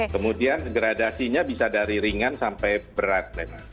kemudian gradasinya bisa dari ringan sampai berat